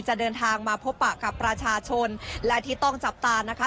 จะเดินทางมาพบปะกับประชาชนและที่ต้องจับตานะคะ